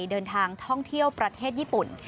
เดินทางท่องเที่ยวประเทศญี่ปุ่น